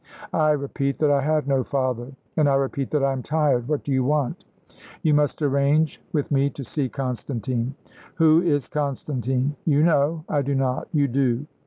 "I repeat that I have no father." "And I repeat that I am tired. What do you want?" "You must arrange with me to see Constantine." "Who is Constantine?" "You know." "I do not." "You do."